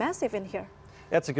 apa yang terjadi di sini